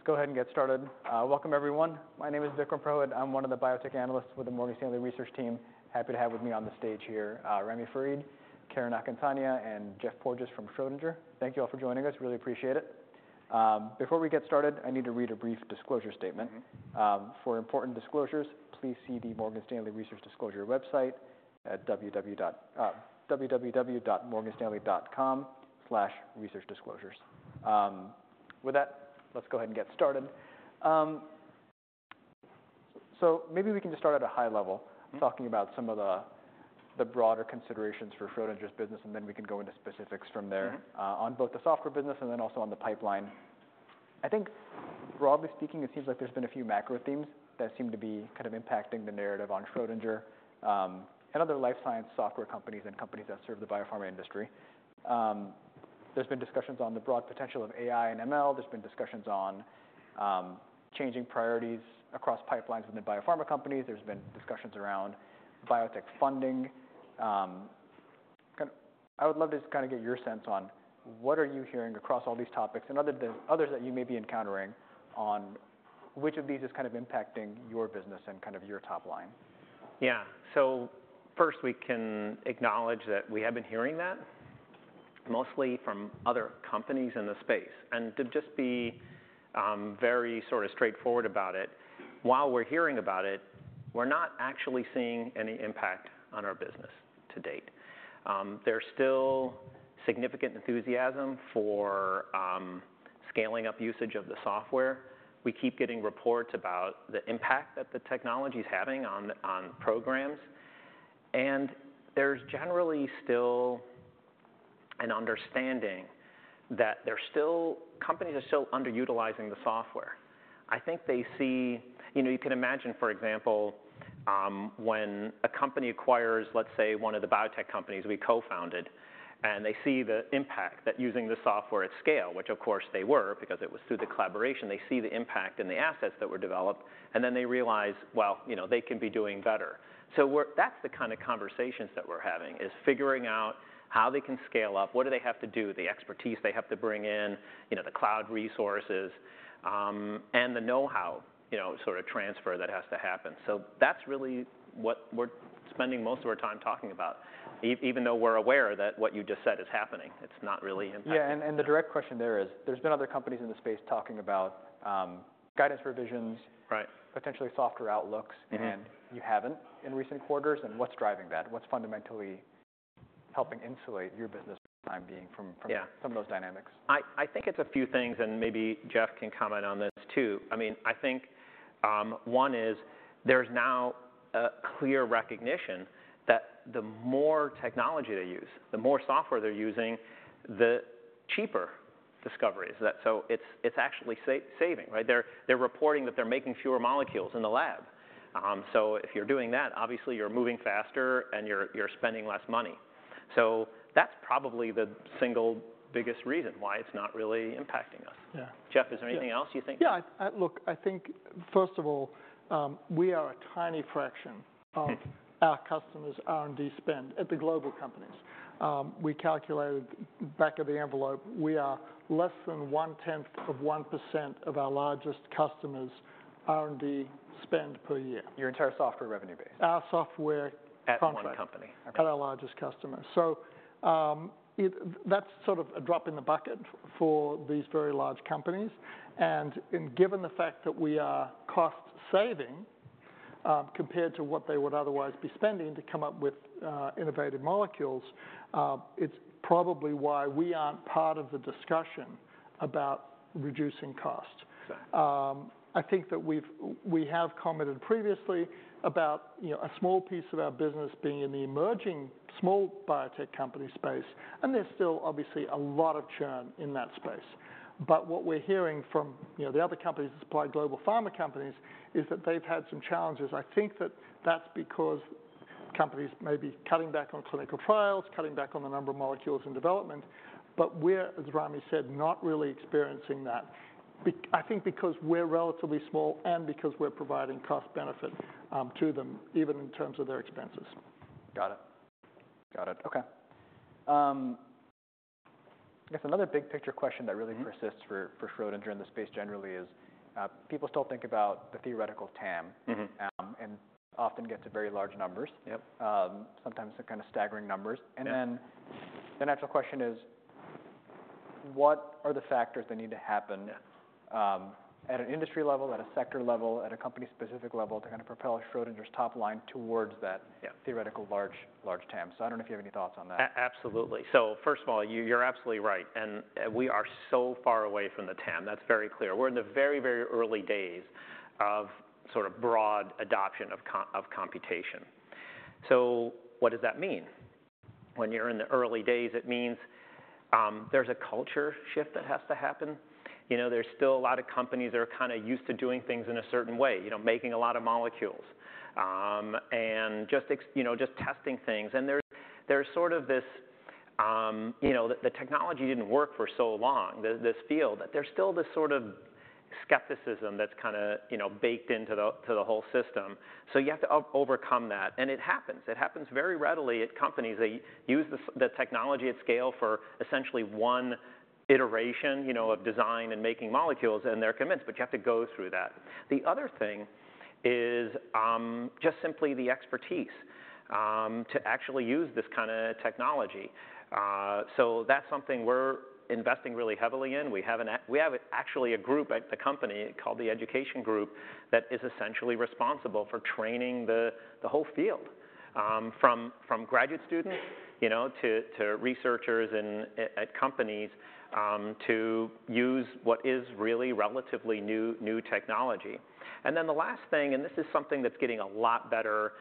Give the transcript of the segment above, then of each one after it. Okay, let's go ahead and get started. Welcome, everyone. My name is Vikram Prahlad. I'm one of the biotech analysts with the Morgan Stanley research team. Happy to have with me on the stage here, Ramy Farid, Karen Akinsanya, and Geoff Porges from Schrödinger. Thank you all for joining us. Really appreciate it. Before we get started, I need to read a brief disclosure statement. For important disclosures, please see the Morgan Stanley Research Disclosure website at www.morganstanley.com/researchdisclosures. With that, let's go ahead and get started, so maybe we can just start at a high level- talking about some of the broader considerations for Schrödinger's business, and then we can go into specifics from there. On both the software business and then also on the pipeline. I think broadly speaking, it seems like there's been a few macro themes that seem to be kind of impacting the narrative on Schrödinger, and other life science software companies and companies that serve the biopharma industry. There's been discussions on the broad potential of AI and ML. There's been discussions on changing priorities across pipelines within biopharma companies. There's been discussions around biotech funding. I would love to just kinda get your sense on what are you hearing across all these topics and others that you may be encountering on which of these is kind of impacting your business and kind of your top line? Yeah. So first, we can acknowledge that we have been hearing that, mostly from other companies in the space, and to just be very sort of straightforward about it, while we're hearing about it, we're not actually seeing any impact on our business to date. There's still significant enthusiasm for scaling up usage of the software. We keep getting reports about the impact that the technology's having on programs, and there's generally still an understanding that there's still companies are still underutilizing the software. I think they see. You know, you can imagine, for example, when a company acquires, let's say, one of the biotech companies we co-founded, and they see the impact that using the software at scale, which of course they were, because it was through the collaboration, they see the impact and the assets that were developed, and then they realize, well, you know, they can be doing better. So we're. That's the kind of conversations that we're having, is figuring out how they can scale up, what do they have to do, the expertise they have to bring in, you know, the cloud resources, and the know-how, you know, sort of transfer that has to happen. So that's really what we're spending most of our time talking about. Even though we're aware that what you just said is happening, it's not really impacting. Yeah, and the direct question there is, there's been other companies in the space talking about guidance revisions- Right. potentially softer outlooks and you haven't in recent quarters, and what's driving that? What's fundamentally helping insulate your business for the time being from- Yeah... from those dynamics? I think it's a few things, and maybe Geoff can comment on this, too. I mean, I think one is, there's now a clear recognition that the more technology they use, the more software they're using, the cheaper discovery is. That, so it's, it's actually saving, right? They're reporting that they're making fewer molecules in the lab. So if you're doing that, obviously you're moving faster and you're spending less money. So that's probably the single biggest reason why it's not really impacting us. Yeah. Geoff, is there anything else you think? Yeah. Look, I think, first of all, we are a tiny fraction of our customers' R&D spend at the global companies. We calculated back of the envelope, we are less than one-tenth of 1% of our largest customers' R&D spend per year. Your entire software revenue base? Our software contract- At one company. Okay. At our largest customer. So, that's sort of a drop in the bucket for these very large companies, and given the fact that we are cost saving, compared to what they would otherwise be spending to come up with innovative molecules, it's probably why we aren't part of the discussion about reducing cost. Right. I think that we have commented previously about, you know, a small piece of our business being in the emerging small biotech company space, and there's still obviously a lot of churn in that space, but what we're hearing from, you know, the other companies that supply global pharma companies, is that they've had some challenges. I think that that's because companies may be cutting back on clinical trials, cutting back on the number of molecules in development, but we're, as Ramy said, not really experiencing that, I think because we're relatively small and because we're providing cost benefit to them, even in terms of their expenses. Got it. Got it. Okay. I guess another big-picture question that really persists for Schrödinger and the space generally is, people still think about the theoretical TAM and often gets to very large numbers. Yep. Sometimes they're kind of staggering numbers. Yeah. And then, the natural question is, what are the factors that need to happen? Yeah... at an industry level, at a sector level, at a company-specific level, to kind of propel Schrödinger's top line towards that- Yeah... theoretical large TAM? So I don't know if you have any thoughts on that. Absolutely. So first of all, you, you're absolutely right, and we are so far away from the TAM. That's very clear. We're in the very, very early days of sort of broad adoption of computation. So what does that mean? When you're in the early days, it means there's a culture shift that has to happen. You know, there's still a lot of companies that are kind of used to doing things in a certain way, you know, making a lot of molecules, and just you know, just testing things. And there's this sort of. You know, the technology didn't work for so long in this field that there's still this sort of-skepticism that's kinda, you know, baked into the whole system. So you have to overcome that, and it happens. It happens very readily at companies. They use the technology at scale for essentially one iteration, you know, of design and making molecules, and they're convinced, but you have to go through that. The other thing is just simply the expertise to actually use this kinda technology. So that's something we're investing really heavily in. We have actually a group at the company called the Education Group, that is essentially responsible for training the whole field from graduate students you know, to researchers and at companies, to use what is really relatively new technology. And then the last thing, and this is something that's getting a lot better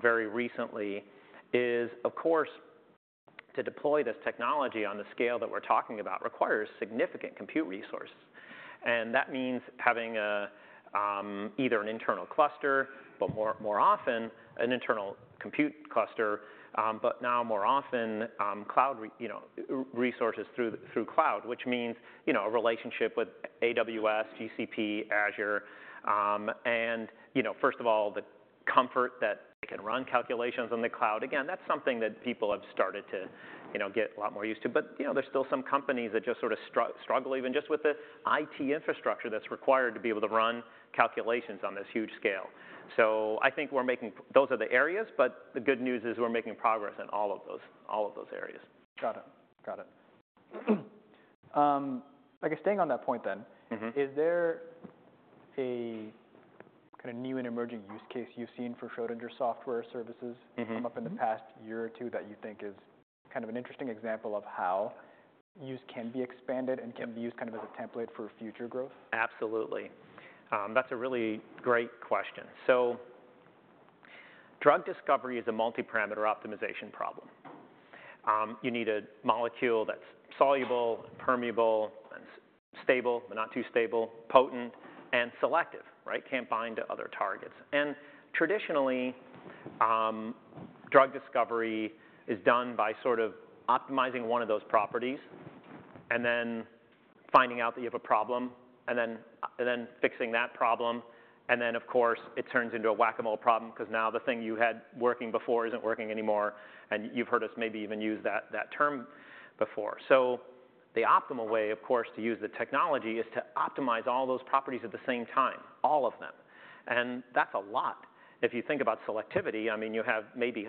very recently, is, of course, to deploy this technology on the scale that we're talking about, requires significant compute resources. And that means having either an internal cluster, but more often an internal compute cluster, but now more often cloud resources through cloud, which means, you know, a relationship with AWS, GCP, Azure, and, you know, first of all, the comfort that they can run calculations on the cloud. Again, that's something that people have started to, you know, get a lot more used to. But, you know, there's still some companies that just sort of struggle even just with the IT infrastructure that's required to be able to run calculations on this huge scale. So I think those are the areas, but the good news is we're making progress in all of those areas. Got it. I guess staying on that point then is there a kinda new and emerging use case you've seen for Schrödinger software services? come up in the past year or two that you think is kind of an interesting example of how use can be expanded and can be used kind of as a template for future growth? Absolutely. That's a really great question. So drug discovery is a multi-parameter optimization problem. You need a molecule that's soluble, permeable, and stable, but not too stable, potent, and selective, right? Can't bind to other targets. And traditionally, drug discovery is done by sort of optimizing one of those properties and then finding out that you have a problem, and then fixing that problem. And then, of course, it turns into a whack-a-mole problem, 'cause now the thing you had working before isn't working anymore, and you've heard us maybe even use that term before. So the optimal way, of course, to use the technology is to optimize all those properties at the same time, all of them, and that's a lot. If you think about selectivity, I mean, you have maybe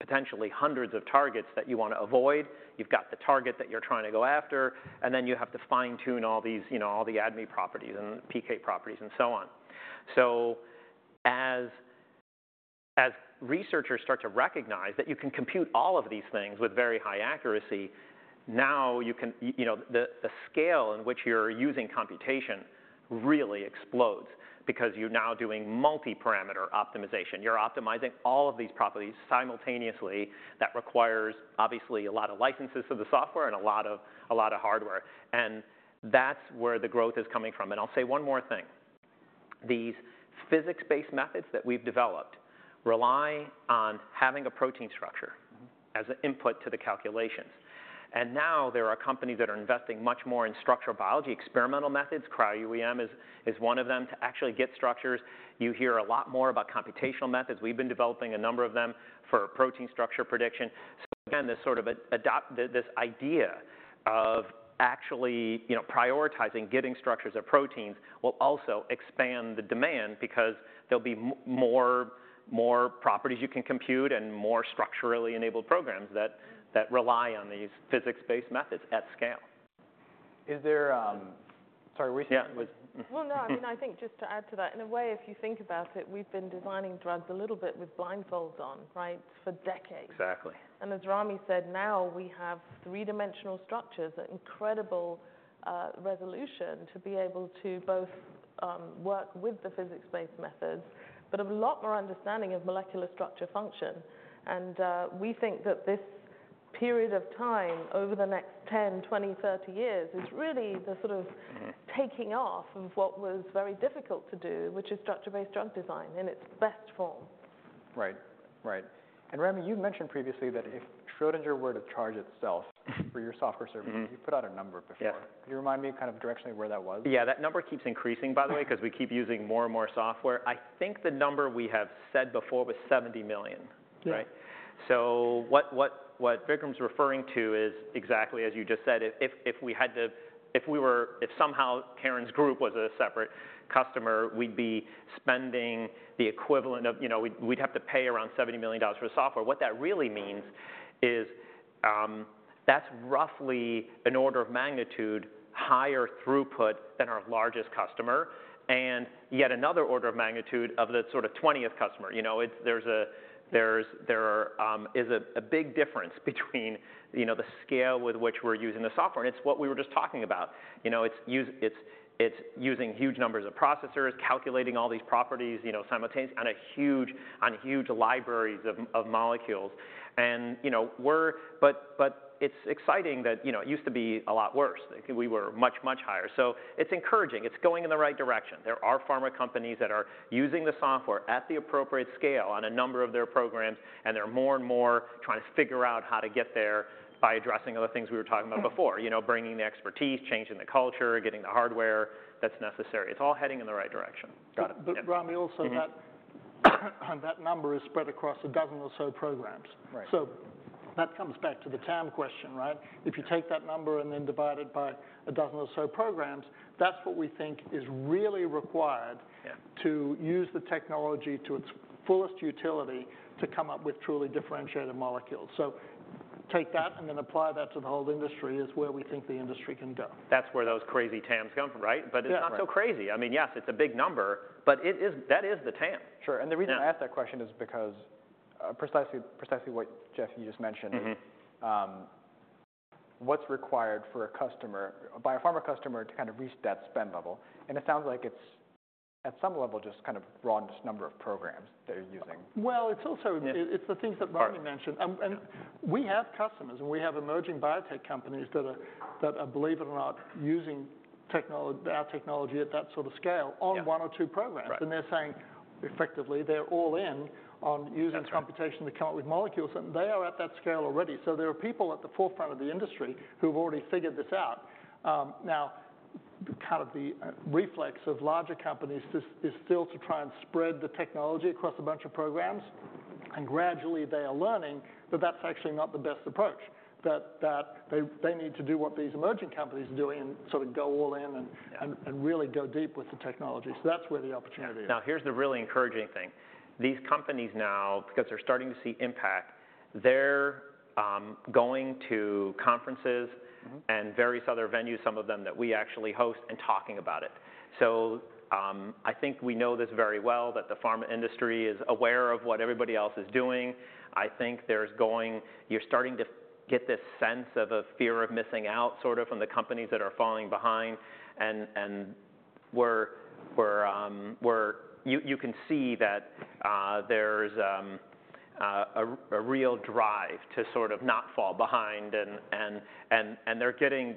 potentially hundreds of targets that you wanna avoid. You've got the target that you're trying to go after, and then you have to fine-tune all these, you know, all the ADME properties and PK properties and so on. So as researchers start to recognize that you can compute all of these things with very high accuracy, now you can, you know, the scale in which you're using computation really explodes because you're now doing multi-parameter optimization. You're optimizing all of these properties simultaneously. That requires, obviously, a lot of licenses for the software and a lot of hardware, and that's where the growth is coming from. And I'll say one more thing: these physics-based methods that we've developed rely on having a protein structure as an input to the calculations. And now there are companies that are investing much more in structural biology, experimental methods. Cryo-EM is one of them to actually get structures. You hear a lot more about computational methods. We've been developing a number of them for protein structure prediction. So again, this idea of actually, you know, prioritizing getting structures of proteins will also expand the demand because there'll be more properties you can compute and more structurally enabled programs that rely on these physics-based methods at scale. Is there Sorry, [which] was- No, I mean, I think just to add to that, in a way, if you think about it, we've been designing drugs a little bit with blindfolds on, right? For decades. Exactly. As Ramy said, now we have three-dimensional structures at incredible resolution to be able to both work with the physics-based methods, but have a lot more understanding of molecular structure function. We think that this period of time, over the next 10, 20, 30 years, is really the sort of taking off of what was very difficult to do, which is structure-based drug design in its best form. Right. Right. And, Ramy, you've mentioned previously that if Schrödinger were to charge itself for your software services you put out a number before. Yes. Can you remind me kind of directionally where that was? Yeah, that number keeps increasing, by the way. 'cause we keep using more and more software. I think the number we have said before was $70 million, right? So what Vikram's referring to is exactly as you just said. If somehow Karen's group was a separate customer, we'd be spending the equivalent of... You know, we'd have to pay around $70 million for the software. What that really means is, that's roughly an order of magnitude higher throughput than our largest customer, and yet another order of magnitude of the sort of 20th customer. You know, there's a big difference between, you know, the scale with which we're using the software, and it's what we were just talking about. You know, it's using huge numbers of processors, calculating all these properties, you know, simultaneously on huge libraries of molecules. You know, but it's exciting that, you know, it used to be a lot worse. We were much, much higher. So it's encouraging. It's going in the right direction. There are pharma companies that are using the software at the appropriate scale on a number of their programs, and they're more and more trying to figure out how to get there by addressing other things we were talking about before. You know, bringing the expertise, changing the culture, getting the hardware that's necessary. It's all heading in the right direction. Got it. But Ramy, also, and that number is spread across a dozen or so programs. Right. So that comes back to the TAM question, right? If you take that number and then divide it by a dozen or so programs, that's what we think is really required. Yeah to use the technology to its fullest utility to come up with truly differentiated molecules. So take that and then apply that to the whole industry, is where we think the industry can go. That's where those crazy TAMs come from, right? Yeah. But it's not so crazy. I mean, yes, it's a big number, but it is, that is the TAM. Sure, and the reason I asked that question is because, precisely, precisely what, Geoff, you just mentioned. What's required for a biopharma customer to kind of reach that spend level? It sounds like it's, at some level, just kind of broad number of programs that you're using. It's also- Yeah... it, it's the things that Ramy mentioned. And we have customers, and we have emerging biotech companies that are, believe it or not, using our technology at that sort of scale- Yeah... on one or two programs. Right. And they're saying, effectively, they're all in on- That's right... using computation to come up with molecules, and they are at that scale already. So there are people at the forefront of the industry who've already figured this out. Now, kind of the reflex of larger companies is still to try and spread the technology across a bunch of programs, and gradually they are learning that that's actually not the best approach. That they need to do what these emerging companies are doing and sort of go all in and really go deep with the technology. So that's where the opportunity is. Now, here's the really encouraging thing. These companies now, because they're starting to see impact, they're going to conferences and various other venues, some of them that we actually host, and talking about it. So, I think we know this very well, that the pharma industry is aware of what everybody else is doing. I think you're starting to get this sense of a fear of missing out, sort of from the companies that are falling behind. And you can see that there's a real drive to sort of not fall behind and they're getting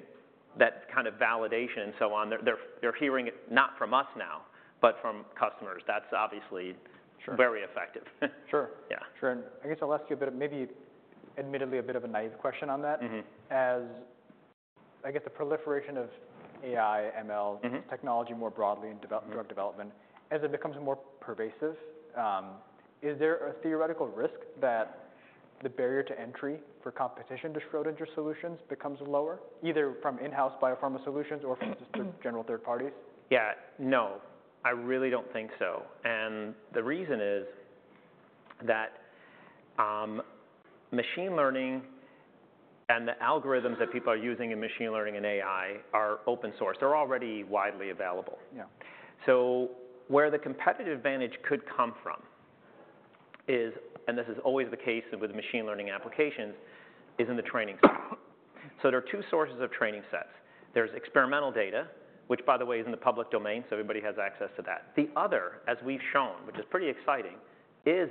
that kind of validation and so on. They're hearing it, not from us now, but from customers. That's obviously- Sure... very effective. Sure. Yeah. Sure, and I guess I'll ask you a bit of maybe admittedly a bit of a naive question on that. As I guess the proliferation of AI, ML technology more broadly in develop drug development, as it becomes more pervasive, is there a theoretical risk that the barrier to entry for competition to Schrödinger solutions becomes lower, either from in-house biopharma solutions or from just general third parties? Yeah. No, I really don't think so. And the reason is that, machine learning and the algorithms that people are using in machine learning and AI are open source. They're already widely available. Yeah. So where the competitive advantage could come from is, and this is always the case with machine learning applications, is in the training set. So there are two sources of training sets. There's experimental data, which, by the way, is in the public domain, so everybody has access to that. The other, as we've shown, which is pretty exciting, is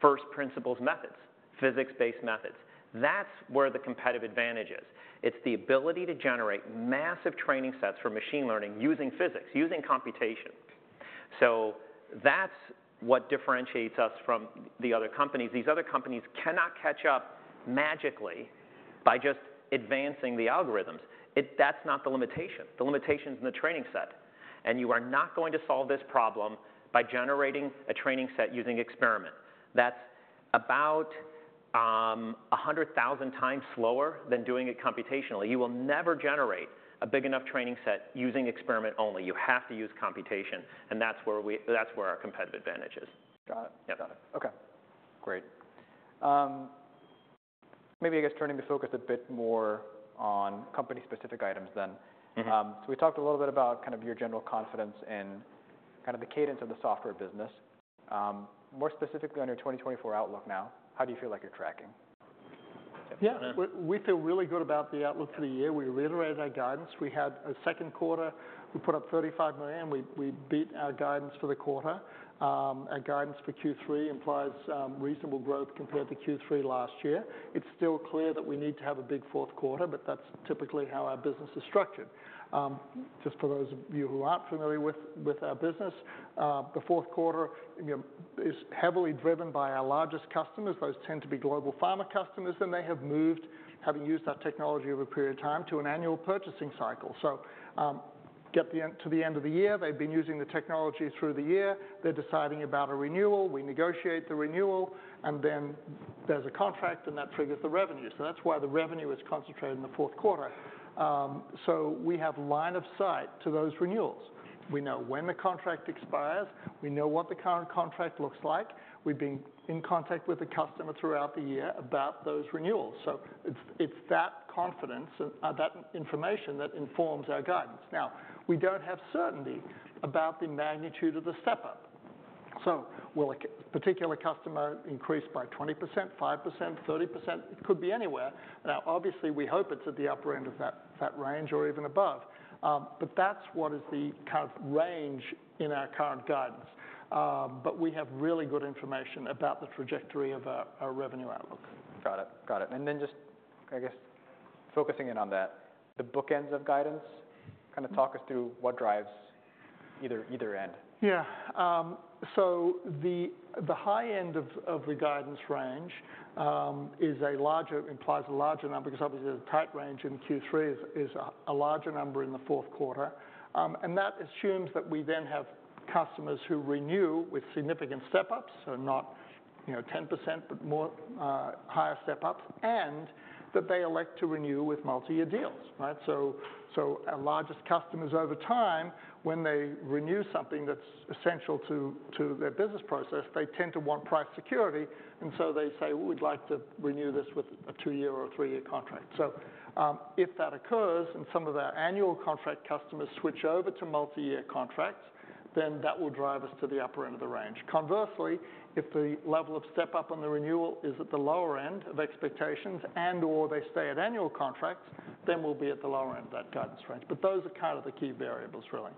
first principles methods, physics-based methods. That's where the competitive advantage is. It's the ability to generate massive training sets for machine learning, using physics, using computation. So that's what differentiates us from the other companies. These other companies cannot catch up magically by just advancing the algorithms. That's not the limitation. The limitation is in the training set, and you are not going to solve this problem by generating a training set using experiments. That's about a hundred thousand times slower than doing it computationally. You will never generate a big enough training set using experiment only. You have to use computation, and that's where our competitive advantage is. Got it. Yeah. Got it. Okay, great. Maybe, I guess turning the focus a bit more on company-specific items then. So we talked a little bit about kind of your general confidence and kind of the cadence of the software business. More specifically on your 2024 outlook now, how do you feel like you're tracking? Yeah. We feel really good about the outlook for the year. We reiterated our guidance. We had a second quarter. We put up $35 million. We beat our guidance for the quarter. Our guidance for Q3 implies reasonable growth compared to Q3 last year. It's still clear that we need to have a big fourth quarter, but that's typically how our business is structured. Just for those of you who aren't familiar with our business, the fourth quarter, you know, is heavily driven by our largest customers. Those tend to be global pharma customers, and they have moved, having used that technology over a period of time, to an annual purchasing cycle. So, to the end of the year, they've been using the technology through the year. They're deciding about a renewal, we negotiate the renewal, and then there's a contract, and that triggers the revenue. So that's why the revenue is concentrated in the fourth quarter. So we have line of sight to those renewals. We know when the contract expires. We know what the current contract looks like. We've been in contact with the customer throughout the year about those renewals, so it's that confidence and that information that informs our guidance. Now, we don't have certainty about the magnitude of the step-up. So will a particular customer increase by 20%, 5%, 30%? It could be anywhere. Now, obviously, we hope it's at the upper end of that range or even above. But that's what is the kind of range in our current guidance. But we have really good information about the trajectory of our revenue outlook. Got it. Got it, and then just, I guess, focusing in on that, the bookends of guidance, kind of talk us through what drives either end? Yeah. So the high end of the guidance range is a larger, implies a larger number, because obviously the tight range in Q3 is a larger number in the fourth quarter. And that assumes that we then have customers who renew with significant step-ups, so not, you know, 10%, but more, higher step-ups, and that they elect to renew with multi-year deals, right? So our largest customers over time, when they renew something that's essential to their business process, they tend to want price security, and so they say: "We'd like to renew this with a two-year or a three-year contract." So, if that occurs, and some of our annual contract customers switch over to multi-year contracts, then that will drive us to the upper end of the range. Conversely, if the level of step-up on the renewal is at the lower end of expectations and/or they stay at annual contracts, then we'll be at the lower end of that guidance range. But those are kind of the key variables, really.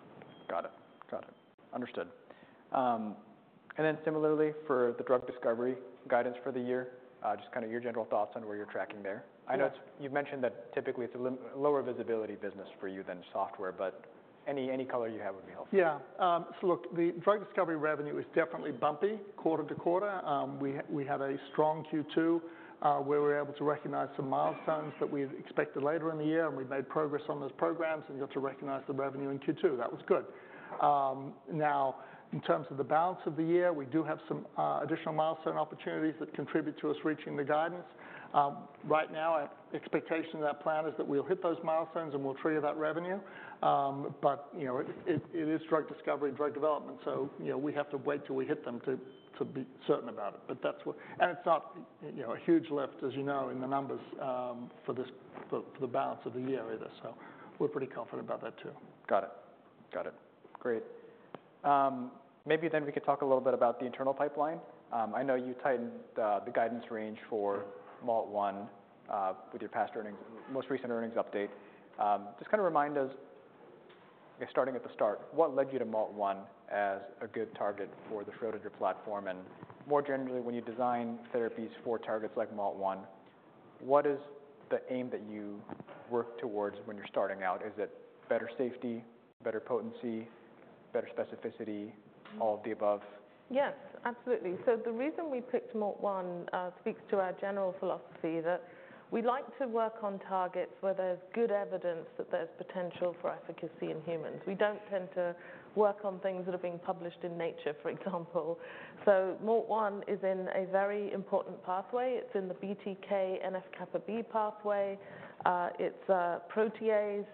Got it. Got it. Understood, and then similarly, for the drug discovery guidance for the year, just kind of your general thoughts on where you're tracking there. Yeah. I know it's you've mentioned that typically it's a lower visibility business for you than software, but any color you have would be helpful. Yeah, so look, the drug discovery revenue is definitely bumpy quarter to quarter. We had a strong Q2, where we were able to recognize some milestones that we had expected later in the year, and we'd made progress on those programs and got to recognize the revenue in Q2. That was good. Now, in terms of the balance of the year, we do have some additional milestone opportunities that contribute to us reaching the guidance. Right now, our expectation of that plan is that we'll hit those milestones, and we'll trigger that revenue, but, you know, it is drug discovery and drug development, so, you know, we have to wait till we hit them to be certain about it, but that's what It's not, you know, a huge lift, as you know, in the numbers, for this, for the balance of the year either. So we're pretty confident about that, too. Got it. Got it. Great. Maybe then we could talk a little bit about the internal pipeline. I know you tightened the guidance range for MALT1 with your past earnings, most recent earnings update. Just kind of remind us, starting at the start, what led you to MALT1 as a good target for the Schrödinger platform, and more generally, when you design therapies for targets like MALT1, what is the aim that you work towards when you're starting out? Is it better safety, better potency, better specificity, all of the above? Yes, absolutely. So the reason we picked MALT1 speaks to our general philosophy, that we like to work on targets where there's good evidence that there's potential for efficacy in humans. We don't tend to work on things that are being published in Nature, for example. So MALT1 is in a very important pathway. It's in the BTK, NF-kappa B pathway. It's a protease.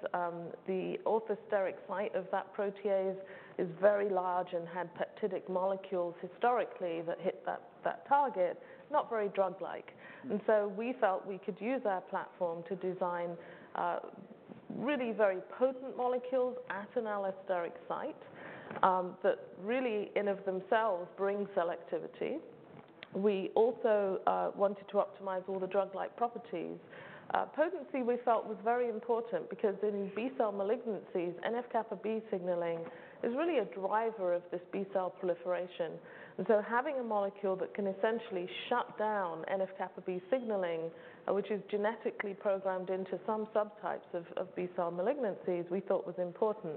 The allosteric site of that protease is very large and had peptidic molecules historically that hit that target, not very drug-like. And so we felt we could use our platform to design really very potent molecules at an allosteric site that really in and of themselves bring selectivity. We also wanted to optimize all the drug-like properties. Potency, we felt, was very important because in B-cell malignancies, NF-kappa B signaling is really a driver of this B-cell proliferation. And so having a molecule that can essentially shut down NF-kappa B signaling, which is genetically programmed into some subtypes of B-cell malignancies, we thought was important.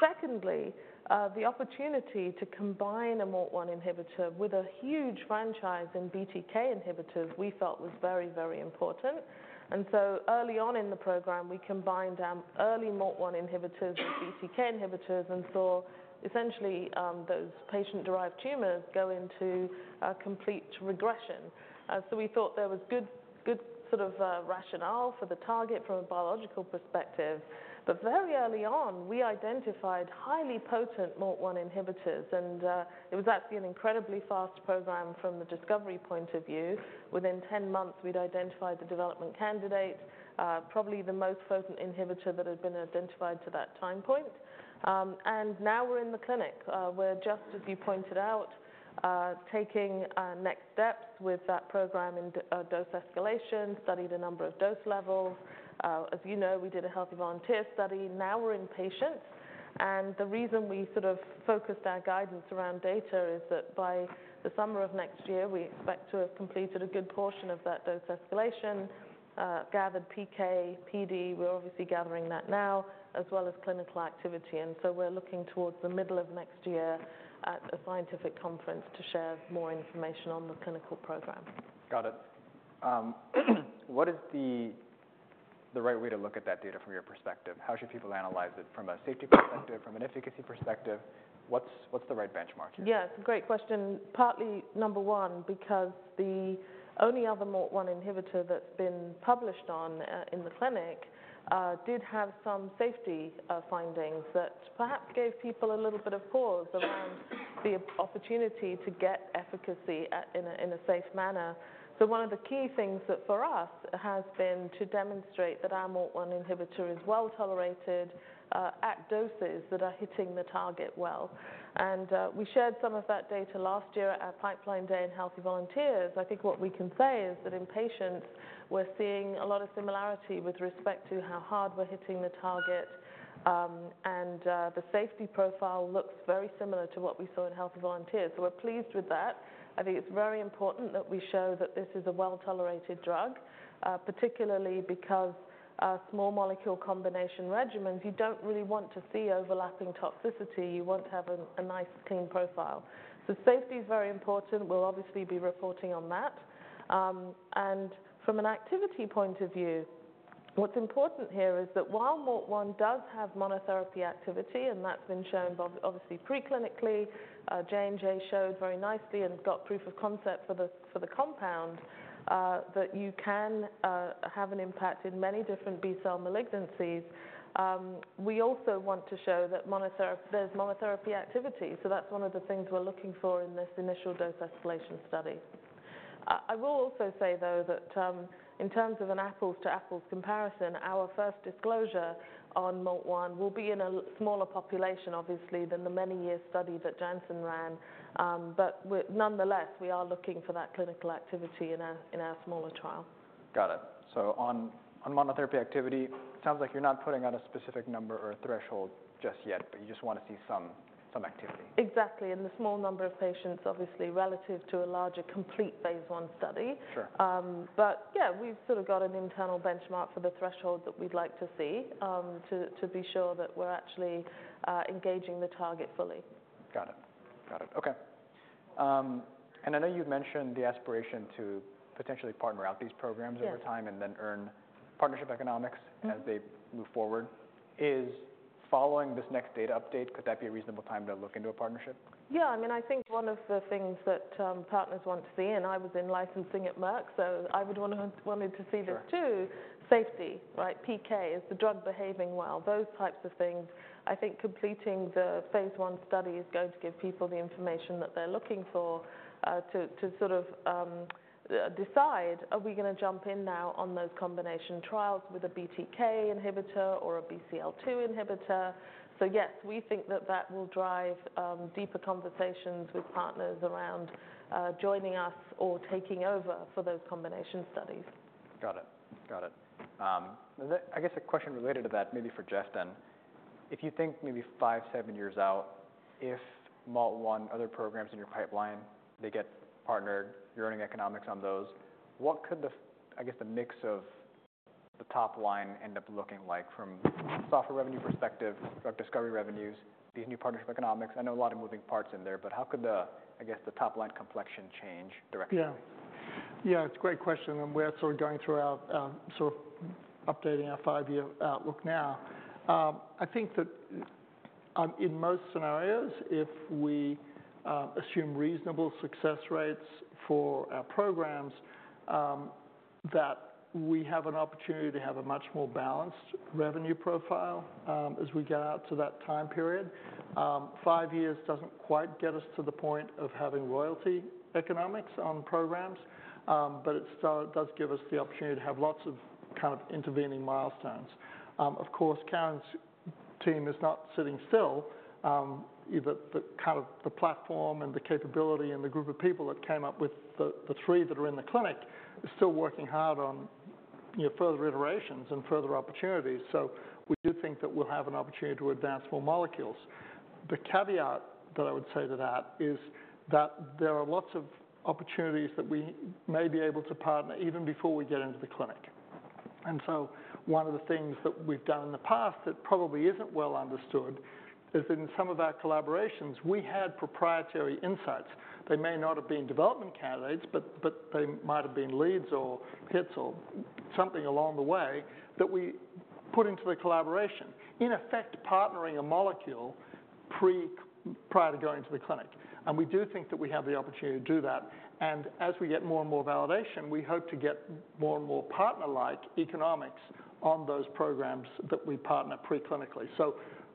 Secondly, the opportunity to combine a MALT1 inhibitor with a huge franchise in BTK inhibitors, we felt was very, very important. And so early on in the program, we combined early MALT1 inhibitors with BTK inhibitors and saw essentially those patient-derived tumors go into a complete regression. So we thought there was good, good sort of rationale for the target from a biological perspective. But very early on, we identified highly potent MALT1 inhibitors, and it was actually an incredibly fast program from the discovery point of view. Within 10 months, we'd identified the development candidate, probably the most potent inhibitor that had been identified to that time point. And now we're in the clinic. We're just, as you pointed out, taking next steps with that program in dose escalation, studied a number of dose levels. As you know, we did a healthy volunteer study. Now we're in patients, and the reason we sort of focused our guidance around data is that by the summer of next year, we expect to have completed a good portion of that dose escalation, gathered PK, PD. We're obviously gathering that now, as well as clinical activity, and so we're looking towards the middle of next year at a scientific conference to share more information on the clinical program. Got it. What is the right way to look at that data from your perspective? How should people analyze it from a safety perspective, from an efficacy perspective? What's the right benchmark here? Yes, great question. Partly, number one, because the only other MALT1 inhibitor that's been published on, in the clinic, did have some safety findings that perhaps gave people a little bit of pause around the opportunity to get efficacy at in a safe manner. So one of the key things that, for us, has been to demonstrate that our MALT1 inhibitor is well tolerated at doses that are hitting the target well. And we shared some of that data last year at our Pipeline Day in healthy volunteers. I think what we can say is that in patients, we're seeing a lot of similarity with respect to how hard we're hitting the target, and the safety profile looks very similar to what we saw in healthy volunteers. So we're pleased with that. I think it's very important that we show that this is a well-tolerated drug, particularly because small molecule combination regimens, you don't really want to see overlapping toxicity. You want to have a nice, clean profile. So safety is very important. We'll obviously be reporting on that and from an activity point of view, what's important here is that while MALT1 does have monotherapy activity, and that's been shown obviously preclinically, J&J showed very nicely and got proof of concept for the compound, that you can have an impact in many different B-cell malignancies. We also want to show that there's monotherapy activity, so that's one of the things we're looking for in this initial dose escalation study. I will also say, though, that in terms of an apples-to-apples comparison, our first disclosure on MALT1 will be in a smaller population, obviously, than the monotherapy study that Janssen ran, but we're nonetheless looking for that clinical activity in our smaller trial. Got it. So on monotherapy activity, it sounds like you're not putting out a specific number or a threshold just yet, but you just wanna see some activity. Exactly. In the small number of patients, obviously, relative to a larger, complete phase I study. Sure. But yeah, we've sort of got an internal benchmark for the threshold that we'd like to see to be sure that we're actually engaging the target fully. Got it. Got it. Okay, and I know you've mentioned the aspiration to potentially partner out these programs- Yes over time and then earn partnership economics. As they move forward. Is following this next data update, could that be a reasonable time to look into a partnership? Yeah, I mean, I think one of the things that partners want to see, and I was in licensing at Merck, so I would want to see this too. Sure. Safety, right? PK, is the drug behaving well? Those types of things. I think completing the phase I study is going to give people the information that they're looking for, to sort of decide, are we gonna jump in now on those combination trials with a BTK inhibitor or a BCL-2 inhibitor? So yes, we think that that will drive deeper conversations with partners around joining us or taking over for those combination studies. Got it. Got it. I guess a question related to that, maybe for Geoff then. If you think maybe five, seven years out, if MALT1, other programs in your pipeline, they get partnered, you're earning economics on those, what could the, I guess, the mix of the top line end up looking like from software revenue perspective, drug discovery revenues, the new partnership economics? I know a lot of moving parts in there, but how could the, I guess, the top line complexion change directionally? Yeah. Yeah, it's a great question, and we're sort of going through our sort of updating our five-year outlook now. I think that in most scenarios, if we assume reasonable success rates for our programs, that we have an opportunity to have a much more balanced revenue profile as we get out to that time period. Five years doesn't quite get us to the point of having royalty economics on programs, but it still does give us the opportunity to have lots of kind of intervening milestones. Of course, Karen's team is not sitting still. The kind of platform and the capability and the group of people that came up with the three that are in the clinic are still working hard on, you know, further iterations and further opportunities. So we do think that we'll have an opportunity to advance more molecules. The caveat that I would say to that is that there are lots of opportunities that we may be able to partner even before we get into the clinic. And so one of the things that we've done in the past that probably isn't well understood is in some of our collaborations, we had proprietary insights. They may not have been development candidates, but they might have been leads or hits or something along the way that we put into the collaboration, in effect, partnering a molecule prior to going to the clinic, and we do think that we have the opportunity to do that. And as we get more and more validation, we hope to get more and more partner-like economics on those programs that we partner pre-clinically. So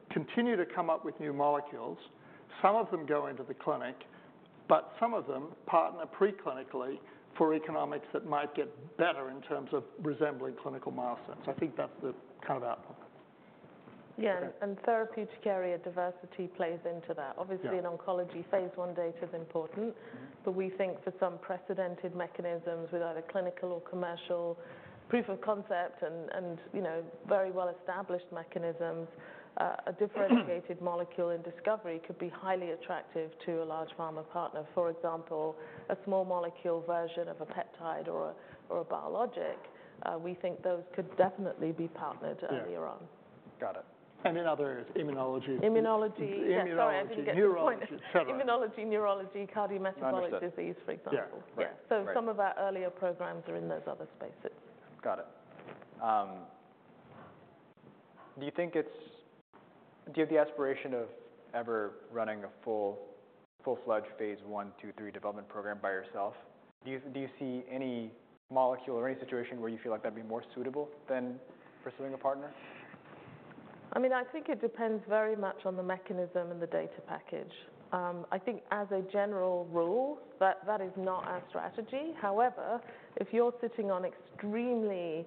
continue to come up with new molecules. Some of them go into the clinic, but some of them partner pre-clinically for economics that might get better in terms of resembling clinical milestones. I think that's the kind of outcome. Yeah. Therapeutic area diversity plays into that. Yeah. Obviously, in oncology, phase I data is important. But we think for some precedented mechanisms with either clinical or commercial proof of concept and, you know, very well-established mechanisms, a differentiated molecule in discovery could be highly attractive to a large pharma partner. For example, a small molecule version of a peptide or a biologic, we think those could definitely be partnered earlier on. Got it. And in other areas, immunology- Immunology. Immunology, neurology- Sorry, Immunology, neurology, cardiometabolic disease- Understood Yeah. Yeah. Right. Some of our earlier programs are in those other spaces. Got it. Do you have the aspiration of ever running a full-fledged phase I, II, III development program by yourself? Do you see any molecule or any situation where you feel like that'd be more suitable than pursuing a partner? I mean, I think it depends very much on the mechanism and the data package. I think as a general rule, that is not our strategy. However, if you're sitting on extremely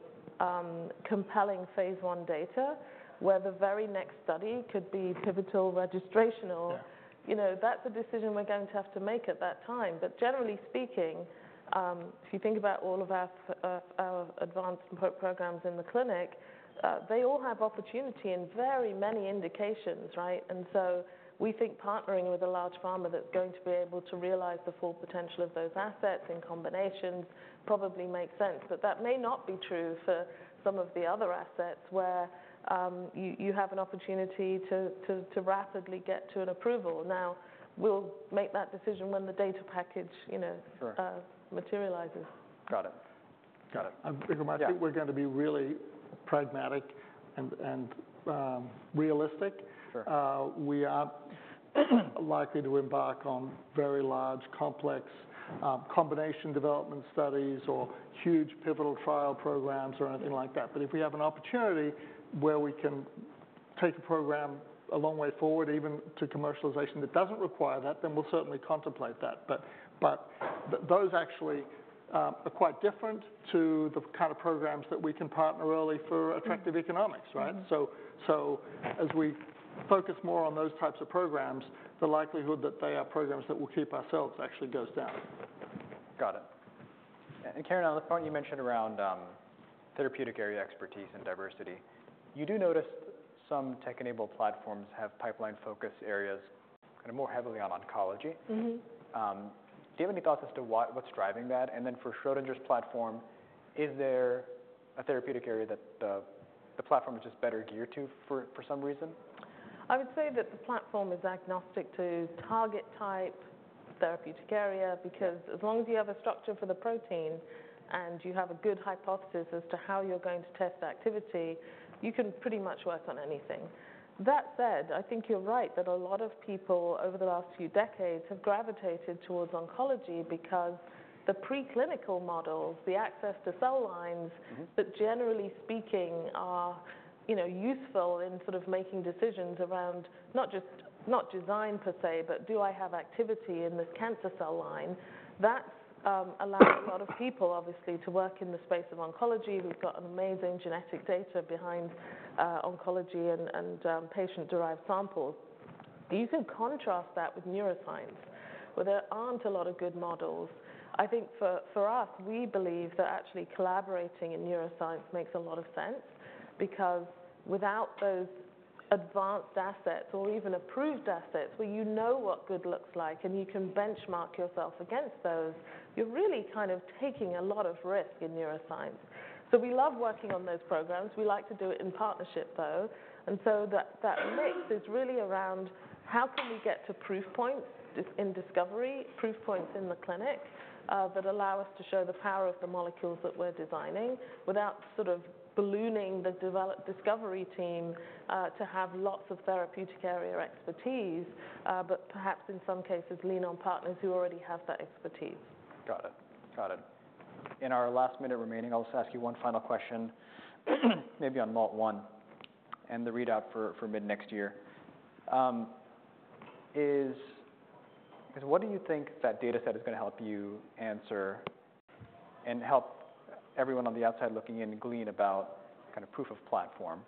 compelling phase I data, where the very next study could be pivotal registrational- Yeah... you know, that's a decision we're going to have to make at that time. But generally speaking, if you think about all of our advanced programs in the clinic, they all have opportunity in very many indications, right? And so we think partnering with a large pharma that's going to be able to realize the full potential of those assets in combinations probably makes sense. But that may not be true for some of the other assets, where you have an opportunity to rapidly get to an approval. Now, we'll make that decision when the data package, you know- Sure... materializes. Got it.... Got it. Vikram, I think we're going to be really pragmatic and realistic. Sure. We are likely to embark on very large, complex, combination development studies or huge pivotal trial programs or anything like that. But if we have an opportunity where we can take a program a long way forward, even to commercialization, that doesn't require that, then we'll certainly contemplate that. But those actually are quite different to the kind of programs that we can partner early for attractive economics, right? So, as we focus more on those types of programs, the likelihood that they are programs that we'll keep ourselves actually goes down. Got it. And, Karen, on the point you mentioned around therapeutic area expertise and diversity, you do notice some tech-enabled platforms have pipeline focus areas kind of more heavily on oncology. Do you have any thoughts as to why, what's driving that? And then for Schrödinger's platform, is there a therapeutic area that the platform is just better geared to for some reason? I would say that the platform is agnostic to target type, therapeutic area, because as long as you have a structure for the protein and you have a good hypothesis as to how you're going to test activity, you can pretty much work on anything. That said, I think you're right, that a lot of people over the last few decades have gravitated towards oncology because the preclinical models, the access to cell lines that generally speaking are, you know, useful in sort of making decisions around not just not design per se, but do I have activity in this cancer cell line? That's allowed a lot of people, obviously, to work in the space of oncology. We've got amazing genetic data behind oncology and patient-derived samples. You can contrast that with neuroscience, where there aren't a lot of good models. I think for us, we believe that actually collaborating in neuroscience makes a lot of sense because without those advanced assets or even approved assets, where you know what good looks like and you can benchmark yourself against those, you're really kind of taking a lot of risk in neuroscience. So we love working on those programs. We like to do it in partnership, though. And so that mix is really around how can we get to proof points just in discovery, proof points in the clinic, that allow us to show the power of the molecules that we're designing without sort of ballooning the discovery team to have lots of therapeutic area expertise, but perhaps in some cases, lean on partners who already have that expertise. Got it. Got it. In our last minute remaining, I'll just ask you one final question, maybe on MALT1 and the readout for mid-next year. 'Cause what do you think that data set is going to help you answer and help everyone on the outside looking in glean about kind of proof of platform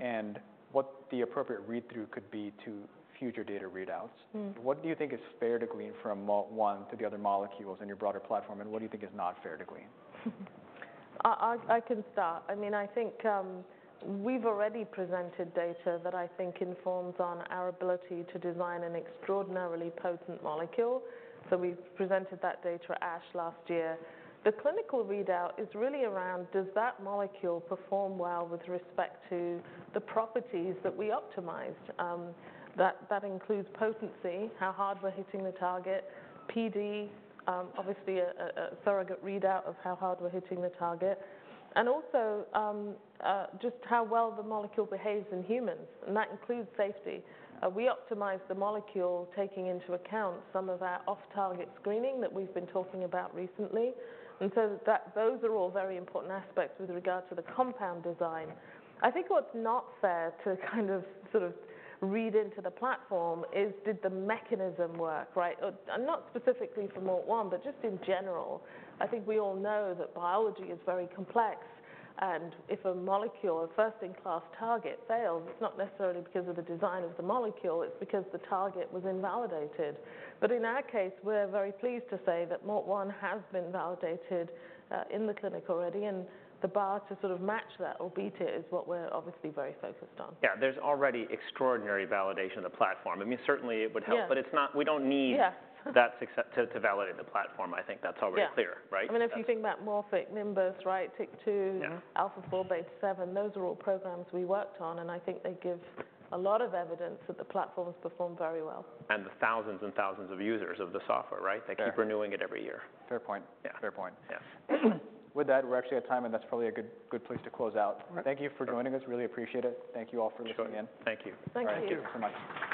and what the appropriate read-through could be to future data readouts? What do you think is fair to glean from MALT1 to the other molecules in your broader platform, and what do you think is not fair to glean? I can start. I mean, I think, we've already presented data that I think informs on our ability to design an extraordinarily potent molecule, so we've presented that data at ASH last year. The clinical readout is really around, does that molecule perform well with respect to the properties that we optimized? That includes potency, how hard we're hitting the target, PD, obviously a surrogate readout of how hard we're hitting the target, and also, just how well the molecule behaves in humans, and that includes safety. We optimize the molecule, taking into account some of our off-target screening that we've been talking about recently, and so those are all very important aspects with regard to the compound design. I think what's not fair to kind of, sort of read into the platform is, did the mechanism work, right? And not specifically for MALT1, but just in general. I think we all know that biology is very complex, and if a molecule, a first-in-class target fails, it's not necessarily because of the design of the molecule. It's because the target was invalidated. But in our case, we're very pleased to say that MALT1 has been validated, in the clinic already, and the bar to sort of match that or beat it is what we're obviously very focused on. Yeah, there's already extraordinary validation of the platform. I mean, certainly it would help- Yeah. but it's not... We don't need- Yeah -that success to validate the platform. I think that's already clear. Yeah. Right? I mean, if you think about Morphic, Nimbus, right, TYK2- Yeah... alpha-4 beta-7, those are all programs we worked on, and I think they give a lot of evidence that the platforms perform very well. The thousands and thousands of users of the software, right? Yeah. They keep renewing it every year. Fair point. Yeah. Fair point. Yeah. With that, we're actually at time, and that's probably a good, good place to close out. Right. Thank you for joining us. Really appreciate it. Thank you all for listening in. Thank you. Thank you. Thank you. Thank you so much.